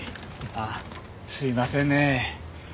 あっすいませんね。